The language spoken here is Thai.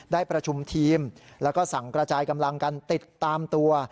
ได้ประชุมทีมแล้วก็สั่งกระจายกำลังกันติดตามตัว